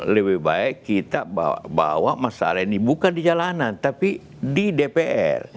lebih baik kita bawa masalah ini bukan di jalanan tapi di dpr